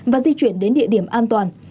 và di chuyển đến địa điểm an toàn